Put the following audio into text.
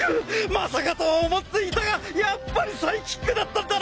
まさかとは思っていたがやっぱりサイキックだったんだな！